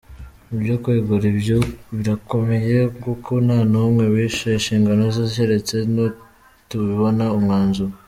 Ibyo kwegura byo birakomeye kuko nta n’umwe wishe inshingano ze, keretse nitubona umwanzuro.